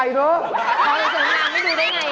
ไพ่ท่านอย่าเผอะหน่าไม่ดูได้ไหน